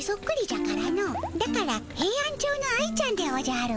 だからヘイアンチョウの愛ちゃんでおじゃる。